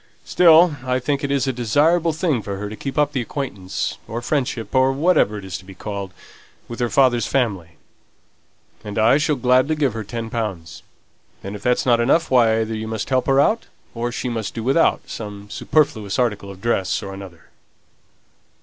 Still, I think it's a desirable thing for her to keep up the acquaintance, or friendship, or whatever it is to be called, with her father's family; and I shall gladly give her ten pounds; and if that's not enough, why, either you must help her out, or she must do without some superfluous article of dress or another."